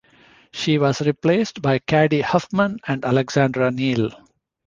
She was replaced by Cady Huffman and Alexandra Neil.